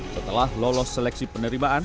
setelah lolos seleksi penerimaan